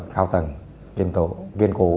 cao tầng kiên cố